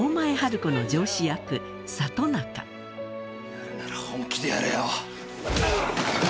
やるなら本気でやれよ。